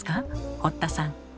堀田さん。